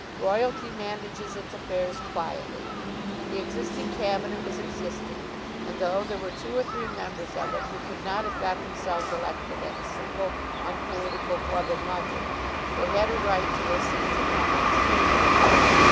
Royalty manages its affairs quietly. The existing Cabinet was existing, and though there were two or three members of it who could not have got themselves elected at a single unpolitical club in London, they had a right to their seats at Melmotte's table.